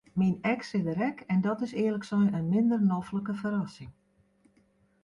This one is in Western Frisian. Myn eks is der ek en dat is earlik sein in minder noflike ferrassing.